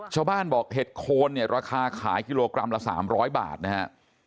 ชาวบ้านบอกเห็ดโคนเนี่ยราคาขายกิโลกรัมละ๓๐๐บาทนะฮะ